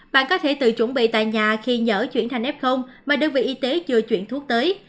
bạn có thể tự chuẩn bị tại nhà khi nhỡ chuyển thành f mà đơn vị y tế chưa chuyển thuốc tới